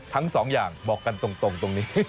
ทั้งสองอย่างบอกกันตรงตรงนี้